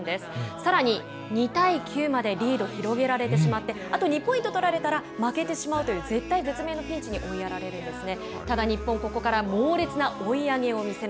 さらに２対９までリードを広げられてしまってあと２ポイント取られたら負けてしまうという絶体絶命のピンチに追いやられるんですね。